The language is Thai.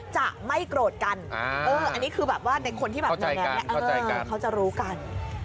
จะไม่โกรธกันอันนี้คือแบบว่าในคนที่แบบเขาจะรู้กัน